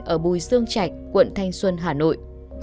ở bùi sương chạch quận thanh xuân hà nội